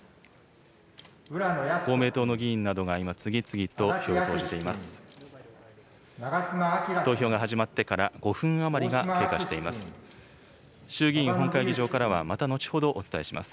公明党の議員などが今、次々と票を投じています。